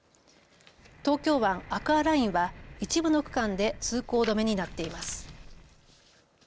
東京湾アクアラインは一部の区間で通行止めになっています。